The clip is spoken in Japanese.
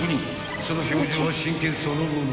［その表情は真剣そのもの］